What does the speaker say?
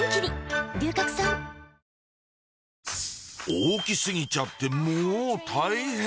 大き過ぎちゃってモ大変！